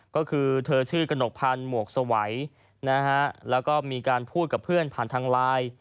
ก็คือเธอชื่อกระหนกพันธ์หมวกสวัยนะฮะแล้วก็มีการพูดกับเพื่อนผ่านทางไลน์